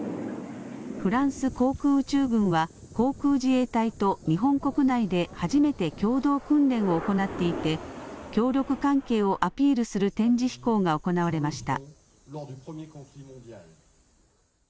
フランス航空宇宙軍は航空自衛隊と日本国内で初めて共同訓練を行っていて協力関係をアピールする展示飛行が行われました。